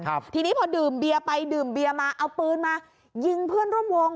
ทีนี้พอดื่มเบียร์ไปดื่มเบียมาเอาปืนมายิงเพื่อนร่วมวง